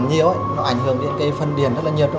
nó ảnh hưởng đến phân điện rất là nhiều